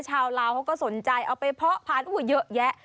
ชาวลาวเขาก็สนใจเอาไปเพาะพันธุ์เยอะแยะ